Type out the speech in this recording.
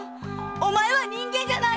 お前は人間じゃない！